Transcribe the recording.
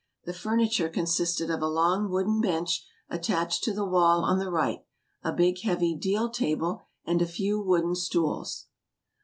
The furni ture consisted of a long wooden bench attached to the wall on the right, a big, heavy deal table, and a few wooden stools.